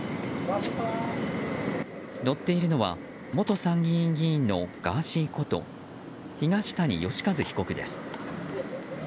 乗っているのは、元参議院議員のガーシーこと東谷義和被告です。